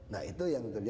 nah itu yang terjadi